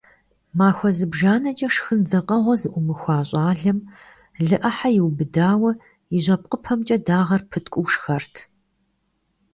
Махуэ зыбжанэкӀэ шхын дзакъэгъуэ зыӏумыхуа щӏалэм лы Ӏыхьэ иубыдауэ и жьэпкъыпэмкӀэ дагъэр пыткӀуу шхэрт.